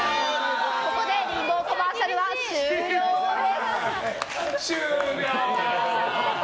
ここでリンボーコマーシャルは終了です。